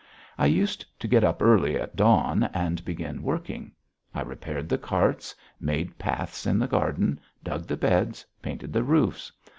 I used to get up early, at dawn, and begin working. I repaired the carts; made paths in the garden, dug the beds, painted the roofs.